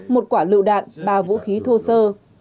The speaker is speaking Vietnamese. một quả lựu đạn ba vũ khí thô sơ